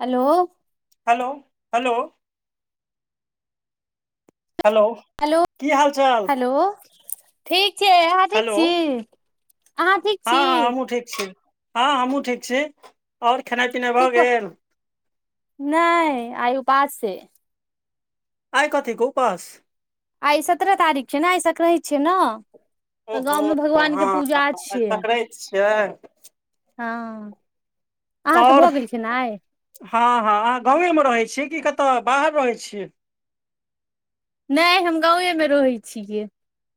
Hello hello- hello hello hello की हाल चाल -हलो ठीक छैै, आहाँ थीक हेलो छी! अहाँ ठीक हँ छी -हँ हमहूँ ठीक छी, हँ हमहुँ ठीक छी, ओर खेनाई की कह नैह आय उपास छै। आइ कथि के उपास आइ सत्रह तारीख छै ने आइ सक्रैत छै न। तऽ ओहो गाँवमे भगवान के हँ पूजा आइ छियै। सकराइत छियै हँ अहाँके आओर भऽ गेल खेनाई हँ- हँ अहाँ गाँवेमे रहै छियै कि कतय बाहर रहै छियै। नहि हम गांवेमे रहै छिये।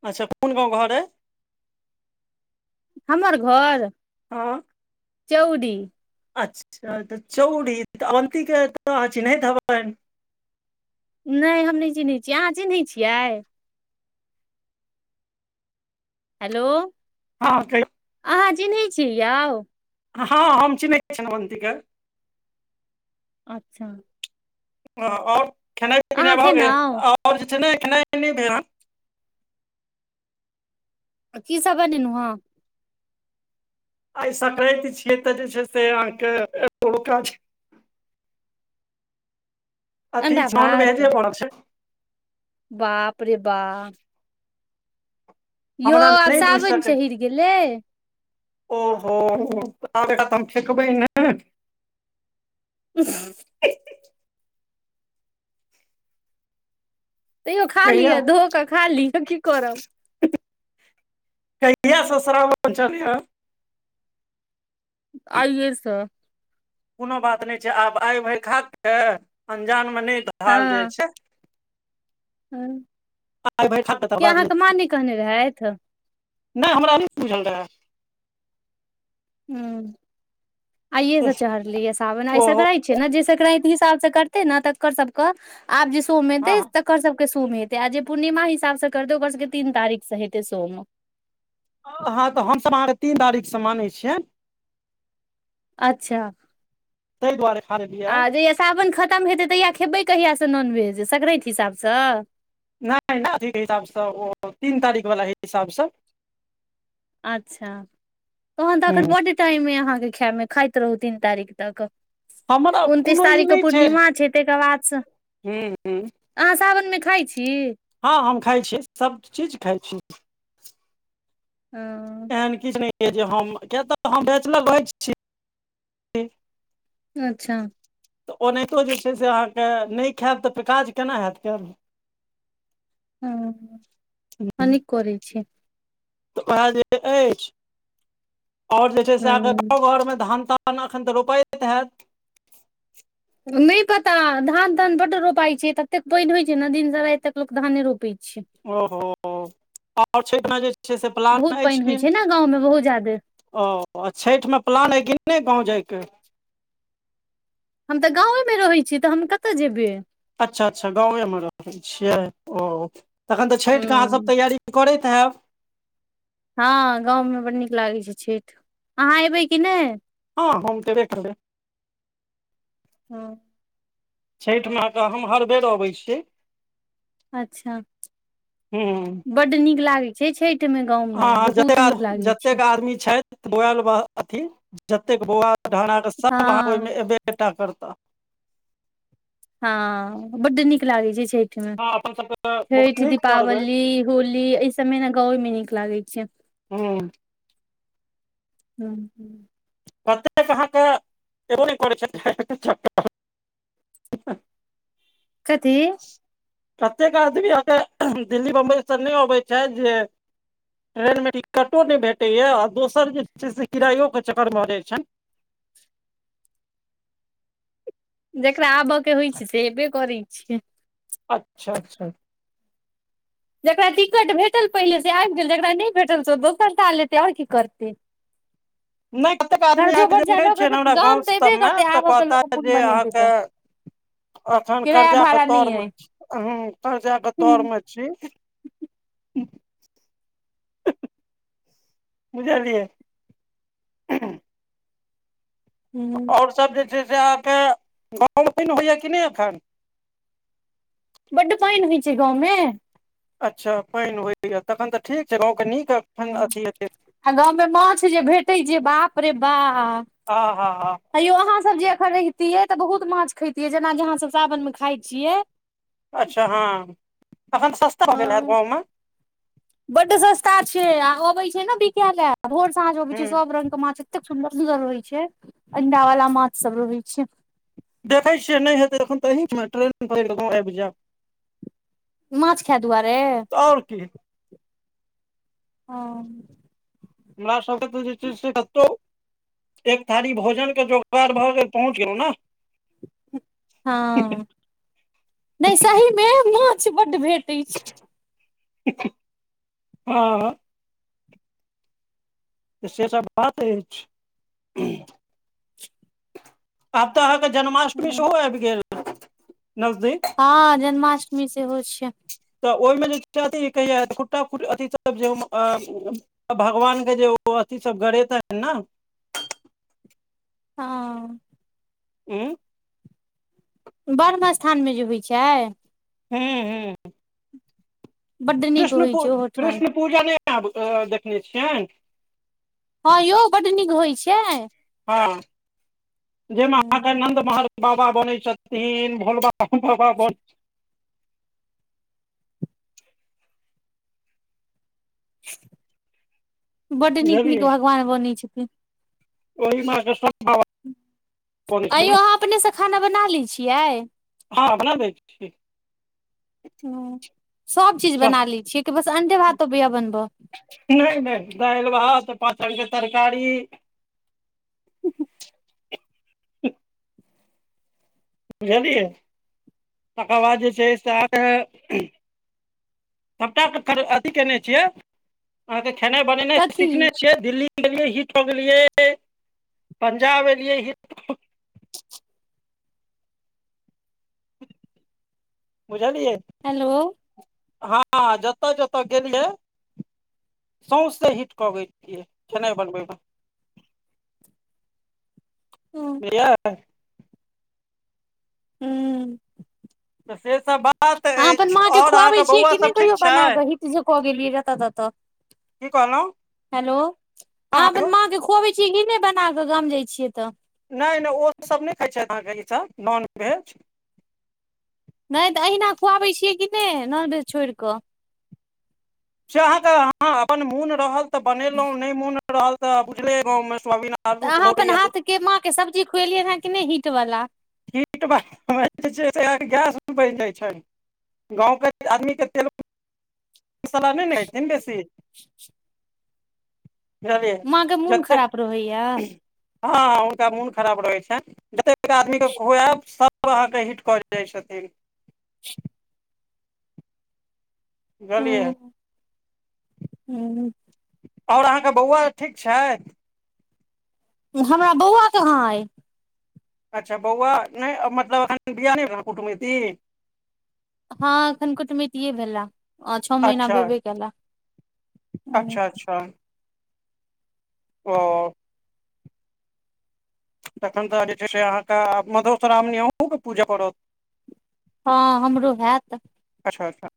अच्छा कोन गांव घर अय हमर घोर आँ चौड़ी अच्छा -अच्छा तऽ चौरी तऽ अन्तिके तऽ अहाँ चिन्हैत हेबनि नैय हम नइ चिन्है छियै अहाँ चिन्है छियै। हेलो हँ कयो अहाँ चिन्है छिअइ यौ? हँ हम चिनहै छिअनि अवन्ती के। अच्छा। आओर, आओर खेनाइ पिनाइ अहाँ भ गेल? खेलौं आओर जे छै ने खेनाइ त नै भेल हन? की सब बनेलौं हँ? आइ संक्रांति छियै त जे छै से अहाँके [unintelligible] अति अंडा भात [unintelligible] छै। बाप रे बा यौ हमरा आब नहि बुझि सावन सकै चहरि गेलै। ओहो त आब एकरा हम फेकबै नै? [unintelligible] तैयो खा कहिया लिअ धो क खा लिअ की करब? कहिया सं श्रावण चढ़लैया? आइए सं। कोनो बात नै छै, आब आइ भरि खाके अनजानमे नै धारल जाइ हँ छै। आइ भैर खा के तकर बाद अहाँके नै माँ नहि कहने रहथि नै हमरा नै बुझल रहा। हुं [inaudible] आइए सं चहरलैया सावन, आइ ओहो संक्रांति जेना जे संक्राति हिसाब सं करतै ने तकर सबक आब जे सोम हँ एतै तक र सबके सोम हेतै आ जे पूर्णिमा हिसाब स करतै ओकर सबके तीन तारीख स हेतै सोम। हं-हं त हम सब अहाँके तीन तारीख स मानै छियैन। अच्छा ताहि दुआरे खा लेलियै आ जहिया सं साबन खतम हेतै तहिया खेबै कहियासं नॉनवेज संक्रांति ति हिसाबसं? न नै अथीके हिसाबसं ओ तीन तारीख वला हिसाबसं। अच्छा तहन त एखन बड्ड टाइम ऐ अहाँके खा मे, खाइत रहू तीन तारीख तक। हमरा उनतीस कोनो ई तारीख क पूर्णिमा छै, तै के बादसं हे ए अहाँ सावनमे खाइ छी? हँ हम खाइ छी, सब चीज खाइ छी। ओ एहन किछ नै अछि जे हम, किए त हम बैचलर रहै छी। अच्छा। ओनाहितो जे छै से अहाँके, नै खाएब त फेर काज केना हैत कैल। हुं-हुं, [inaudible] हं नीक करै छी। त वैह जे अछि [inaudible] आओर जे छै से हँ आहाॅंके ककरो घर मे धान तान तहन एखन त रोपाएत हैत? नै पता धान तान बड्ड रोपाइ छै। ततेक पानि होइ छै ने दिन सं राति तक लोक धाने रोपै छै। ओह हो हो, आओर छठिमे जे छै से प्लान बहुत अछि पानि होइ कि छै ने गाँवमे बहुत ज्यादे ओ आ छठिमे प्लान ऐ कि नै गाँव जाइके? हम त गाँवेमे रहै छिअइ त हम कत जेबै? अच्छा, अच्छा गावेंमे रहै छियै ओ तखन त छठिके अहाँ सब हँ तैयारी करैत हैब? हा गाँवमे बड़ नीक लागे छै छठि। अहाँ ऐबे कि नै? हं हम त एबे करबै हं छइठ मऽ अहाँकऽ हम हर बेर अबै छीयै। अच्छा, हूं बड नीक लागै छै छठि [unintelligible] जतेक आदमी छैथ। बउऐल ब अथि, जतेक बउआ ढहना कऽ सब अहाँ के हँ ओहिमे एबे टा करताह। हां बड नीक लागै छै छैठ। हां अपन सबके बहुत छइठ, नीक पर्व अइ दीपावली, होली अय सब मे न गांवे मे नीक लागै छय। [inaudible] हूँ- हूँ कतेक अहाँ के एबो ने करै छथि। [unintelligible] [unintelligible] कथी। कतेक आदमी अहांके दिल्ली, बंबई सऽ नहि अबै छैथ जे ट्रेन मे टिकटो ने भेटै या, आ दोसर जे छे से किरायो के चक्कर भ जाइ छैन। जेकरा आबऽ के होइ छय से ऐबे करै छय। अच्छा -अच्छा जकरा टिकट भेटल पहिले से आइब गेल, जकरा नहि भेटल से दोसर साल ऐते ओर की करतें। [inaudible] नहि कतेक आदमी अहाँ के बर्जा बुझै लऽ छय ने, तऽ हमरा गाम गाँव तऽ सब एबे मे करतै तऽ आबऽ के कहता लोक मोन जे अहाँ बनेतै के तऽ अखन किराया कर्जा के भाड़ा तौर नहि मे अइ छी, हूं कर्जा के तौर में छी। [unintelligible] बुझलियै। हूं आओर सब जे छय से अहाँ के, गांव में पाइन होइए कि नहिं अखन। बड पाइन होय छय गांव में। अच्छा पाइन होइ यऽ, तखन त ठीक छय गाँव के नीक एखन हूं अथी हेतै आ गाँव मे माछ जे भेटै छय, बाप रे बा हँ-हँ-हँ ह यो अहाँ सब जे अखन रहतियै त बहुत मांछ खेतिये, जेना कि अहाँ सब सावन मे खाय छियै। अच्छा हँ अखन सस्ता हो गेल हैत गाँव मे बड सस्ता छे आ अबे छय न बिकैयल लैं, भोर साँझ अबै छय हूँ सब रंगग के माछ एतेक सुन्दर सुन्दर रहै छय, अंडा वाला माछ सब रहै छय। देखे छिये ने हेते एखुन त अहिं में ट्रेन पक कर क गाँव आइब जैब। मांछ खाय दुआरे। और कि। हँ हमरा सबके तऽ जे छय से कतौ। एक थारी भोजन के जोगार भ गेल पहुँच गेलहुँ नऽ। हां नहि सही मे माछ बड भेटे छय। [unintelligible] हँ से सब बात अइछ। अब त अहाँ के जन्माष्टमी हूँ सेहो आइब गेल नजदीक। हँ जन्माष्टमी सेहो छियै। त ओहि मे जे अथि कहिया खुट्टा खुअथ जे त भगवान के जे ओ अथि सब गड़ेतैन ने। हँ। उँ। ब्रह्म स्थानमे जे होइ छै। हूँ हूं बड्ड नीक कृष्ण होइ पू छै ओहोठाम कृष्ण पूजा नहि आब देखने छियै? हँं यौ बड नीक होइ छै। हँ, जाहिमे अहाँके हूँ नन्द महर बाबा बनै छथिन भोलबा बाबा बनै छथिन। बडे नीक नीक बुझलियै भगवान बनै छथिन। ओहि मे के सब बाबा बनै ऐं छथिन यौअहाँ अपनेसँ खाना बना लै छियै। हँ बना लै छियै। हं, सभ चीज बना लै छियै कि बस अण्डे भात आबैये बनब। नहि नहि दालि भात पाँचं रंगके तरकारी। [inaudible] हुं बुझलियै, तकर बाद जे छै से अहांके। सबका तेअथि केने छियै अहाँके खेनाइ बनेनाइ कथी सिखने छियै, दिल्ली गेलियै हिट क गेलियै पंजाब एलियै ह बुझलियै। हेलो। हँ जतऽ जतऽ गेलियै सौंसे हिट कऽ गेलियै खेनाइ बनबै मे ह बुझलियै। हूं तऽ से सब बात अहां अपन अछि माँ के आओर खुआबै अहाँके छियै बौआ कि नहि सब ठीक कहियो छै बना क हिट जे कऽ गेलियै जतऽ ततऽ। की कहलहु। हेलो। अहाँ अपन माँ के खुआबै छियै कि नहि बना कऽ गाम जाय छियै तऽ। नहि नहि ओ सभ नहि खाइत छथि अहाँके ईसभ नॉनवेज। नहि तऽ अहिना खुआबै छियै कि नहि नॉनवेज छोड़ि कऽ। से अहाँके अपन मोन रहल तऽ बनेलहु नहि मोन रहल तऽ बुझले गाँव मे स्वभना। तऽ अहाँ अपन हाथ के माँ के सब्जी खुएलियै हेँ कि नहि हीट वला। हीट बनबै छियै त गैस बढ़ जाइ छै, गाँवके आदमी के तेल सला नहि ने खेतीन बेसी। [inaudible] बुझलियै माँ के मोन खराब रहैया जतेक हँ हुनका मोन खराब रहैत छनि, जतेक आदमीकेँ खुएब सभ ओ अहाँके हिट कर जाइ छथिन। बुझलियै। हूं। ओर अहाँके बौआ ठीक छैथ। हमरा बौआ कहाँ अछि। अच्छा बौआ नहि मतलब एखन बियाह नहि भेलै कुटुमैती। हँ एखन कुटमतिये भेले छह महीना अच्छा भेबे करले। हअम। ओ तखन तऽ जे छै से अहाँके मधुश्रावणी अहूँके पूजअ पड़त। हँ हमरो हैत। अच्छा- अच्छा,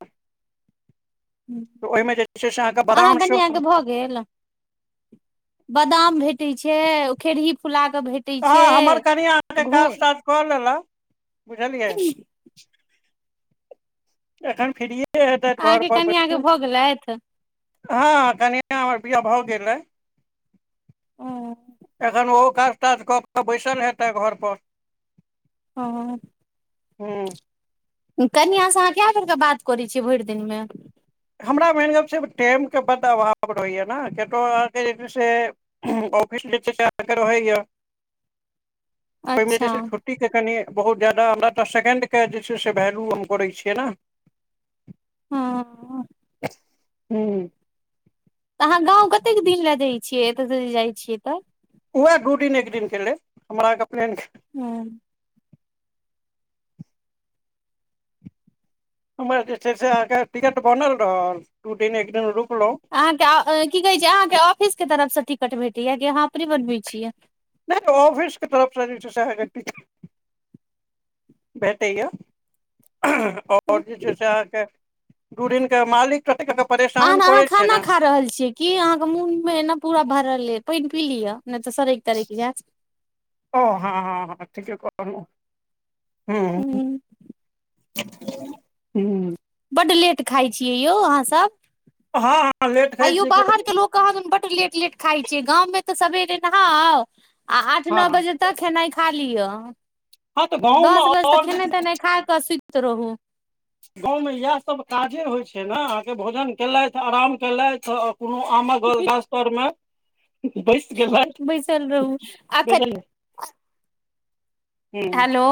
ओहिमे जे छै से अहाँ के बादाम सेहो केला। बादाम भेटैत छै ओ खेरही फुला के भेट हँ हमर कनियां अहाँके काज ताज कऽ लेलक बुझलियै। एखन फरिये हेतैथ घर अहाँके पर बस कनिया के भऽ गेलथि हँ कनिआ हमर बिआ भऽ गेलै। हँ एखन ओहो काज ताज कऽ कऽ बैसल हेतै घर पर। हँ हॅं। हँ। कनिआँ से अहाँ केए बेररके बात करै छियै भरि दिनमे हमरा मेन गप टेम तऽ बताय रहैया ने कियात अहाँके जे छै से ऑफिस जे छै आहां के रहेया, ओहि मे जे अच्छा छै खुद ु के कनि बहुत जादा हमरा तऽ सेकें्ड के जे छै से वैल्यू हम करै छियै ने। हँ। ह्म। तऽ अहाँ गाँव कतेक दिन लए जाइ छियै एतऽसँ जे जाइ छियै तऽ। उएह दू दिन एक दिन केै हमरा प्रैंक हूं। हमर जे छै से अहाँके टिकट बनल रहल दू दिन एक दिन रुकलहुँ। अहाँ के अ की कहे छै अहाँ के ऑफिस के तरफ से टिकट भेटय या की आहाँ अपने बनबै छियै। नहि त ऑफिसके तरफसँ जे छै सेह न किछ भेटेयऽ। आओर जे छै से अहाँके दू दिन के मालिक परेशान आर अहाँ करै छै ने खाना खा रहल छीयै की अहाँके मुंह मे ना पूरा भरल अय, पाइन पी लियऽ नै तऽ सड़ेक- तरैक जैत। ओ हँ -हँ- हँ ठीके कहलौं, हूं। हूँ [unintelligible] हू। बड्ड लेट खाइ छियै यौ अहाँसभ। हँ हॅं। आंइयो बाहरके लोक कहांदन बड्ड लेट- लेट खाइ छै, गाँवमे तऽ सवेरे नहा आउ आ आठ हँ नो बजे तक खेनाइ खा लिअ। हँ तऽ गाँवमे दस बजे तक आओर जे खेनाइ- तेनाइ खा कऽ सुइत रहू। गाँवमे इएह सभ काजे होइत छै ने अहाँके भोजन केलथि आराम केलथि कोनो आमक गाछ तोर मे बैस गेलैथ बैसल रहू अखन बुझल ह हेलो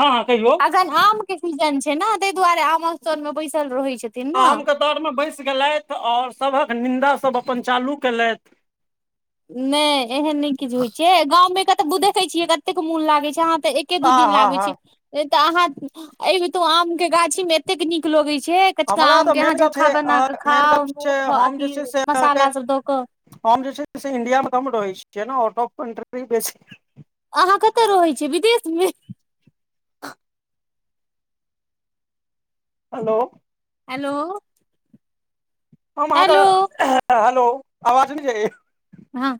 हँ हँ कहियौ। आम के सीजन छै ने ताहि दुआरे आम स्लमे बैसल रहैत छै। आमके तौरमे बैसि गेलथि आओर सभक निन्दास सभ अपन चालू कयेलथि नहि एहन नहि किछु होइ छै गाँवमे के तऽ देखे छियै कतेक मोन लागे छै अहाँ तऽ। एके दू आ दिन ला हा आबे हा छि तऽ अहाँ एब तो आम के गाछी मे एतेक नीक लगै छै। कचका हमरा आम तऽ के अहाँ मेन गप झक्का छै बना क मेन गप खाउ छै मून हम जे अथी छै से अहाँके मसाला सब द क हम जे छै से इंडिया में कम रहै छियै नै, ओ टाॅप कंट्री बेस अहाँ कतऽ रहै छियै विदेशमे। आ हॅं। हेलो। हेलो। हम अहाँके हेलो हेलो आवाज नहिजाय छै हँ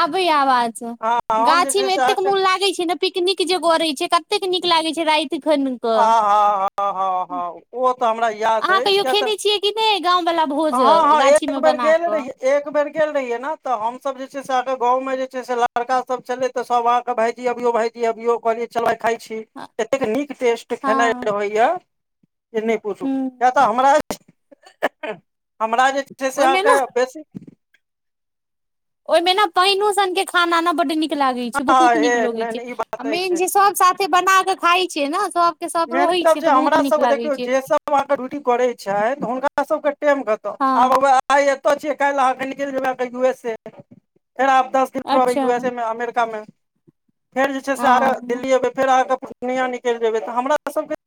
आबै आवाज हँ हम जे गाछी छै मे से एतेक अहाँके मोन लागे छै ने। पिकनिक जेग रहे छै कतेक नीक लागे छै राति खन कऽ आहा हा हा हा ओ तऽ हमरा याद अहाँ अछि कहियो किया तऽ खेने छियै कि नहि गाँंव वाला भोज हँ हँ गाछी एक मे बेर बना गेल कऽ रहियै। एक बेर गेल रहियै ने तऽ हमसब जे छै से ओहिके गाँंव में जे छै से लड़का सब छलै तऽ सब आहाॅ के भायजी अभियो, भायजी अभियो, कहलियै चल आय खाय छी। एतेक नीक टेस्ट खेनाय हँ के हौया, जे नहि पूछू हूं किया तऽ हमरा [inaudible] हमरा जे छै से अहाँ ओहिमे ने के बेसी ओए मे ने पइनो सन के खाना न बड नीक लागे छै, हँ बहुत हे नीक लगै नहि छै, नहि ई आ बात अछि मेन जे सब साथ एतै बना कऽ खाय छीयै न सब मेन गप्प छै हमरा सबके देखियौ जे सब अहाँके ड्यूटी करैय छैथि, हुनका सबके टेम कत, हँ आब हउए आय एतऽ छीय, काल्हि अहाँके निकल जेबय कही यू एस ए, फेर आब दस फेन करैय अच्छा यू एस ए मे, अमेरिका मे, फेर जे छै से आय हँ दिल्ली एबे फेर अहाँके पूर्णिया निकलि जेबै तऽ हमरा सबके